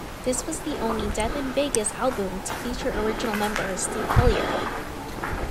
This was the only Death in Vegas album to feature original member Steve Hellier.